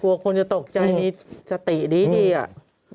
คนจะตกใจมีสติดีอ่ะ